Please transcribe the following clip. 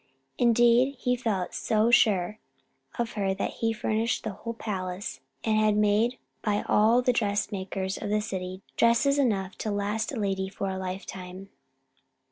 Indeed, he felt so sure of her that he refurnished the whole palace, and had made, by all the dressmakers of the city, dresses enough to last a lady for a lifetime.